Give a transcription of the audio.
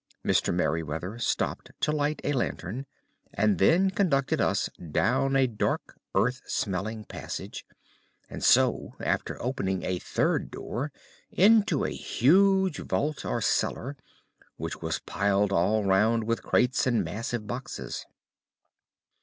Mr. Merryweather stopped to light a lantern, and then conducted us down a dark, earth smelling passage, and so, after opening a third door, into a huge vault or cellar, which was piled all round with crates and massive boxes.